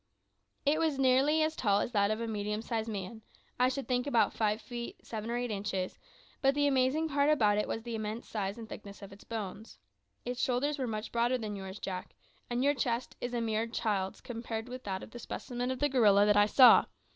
"It was nearly as tall as that of a medium sized man I should think about five feet seven or eight inches; but the amazing part about it was the immense size and thickness of its bones. Its shoulders were much broader than yours, Jack, and your chest is a mere child's compared with that of the specimen of the gorilla that I saw.